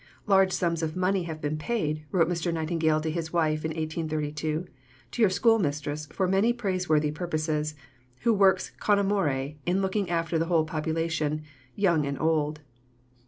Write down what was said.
"Large sums of money have been paid," wrote Mr. Nightingale to his wife in 1832, "to your schoolmistress for many praiseworthy purposes, who works con amore in looking after the whole population, young and old."